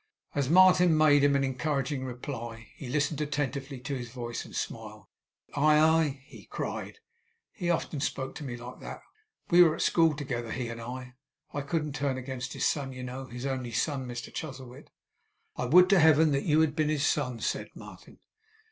As Martin made him an encouraging reply, he listened attentively to his voice, and smiled. 'Ah, aye!' he cried. 'He often spoke to me like that. We were at school together, he and I. I couldn't turn against his son, you know his only son, Mr Chuzzlewit!' 'I would to Heaven you had been his son!' said Martin.